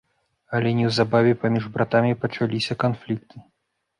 Але неўзабаве паміж братамі пачаліся канфлікты.